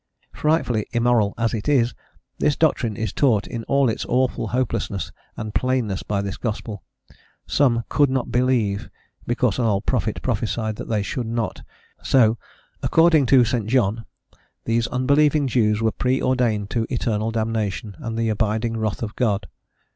Frightfully immoral as it is, this doctrine is taught in all its awful hopelessness and plainness by this gospel: some "could not believe" because an old prophet prophesied that they should not So, "according to St. John," these unbelieving Jews were pre ordained to eternal damnation and the abiding wrath of God.